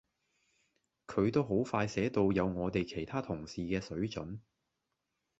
佢都好快寫到有我哋其他同事嘅水準